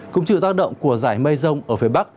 cũng chịu tác động của giải mây rông ở phía bắc